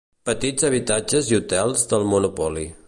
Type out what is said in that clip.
Petits habitatges i hotels del Monopoly.